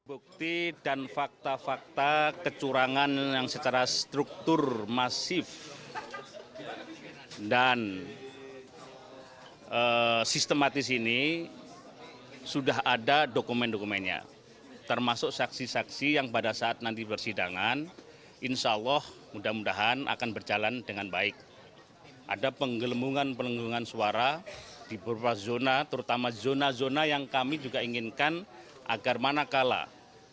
ada pengelombungan suara di beberapa zona terutama zona zona yang kami juga inginkan agar mana kalah